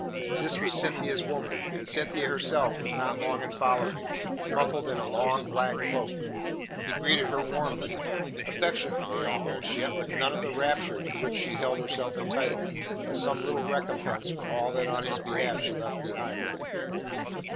This was Cynthia's woman, and Cynthia herself was not long in following, muffled in a long, black cloak. He greeted her warmly affectionately almost yet with none of the rapture to which she held herself entitled as some little recompense for all that on his behalf she left behind.